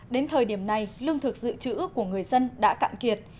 đến thời điểm này lương thực dự trữ của người dân đã cạn kiệt